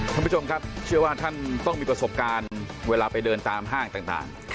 ท่านผู้ชมครับเชื่อว่าท่านต้องมีประสบการณ์เวลาไปเดินตามห้างต่าง